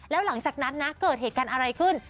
แล้วหลังจากนั้นนะเกิดเหตุการณ์อะไรขึ้น